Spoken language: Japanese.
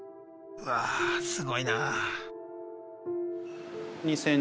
うわすごいな。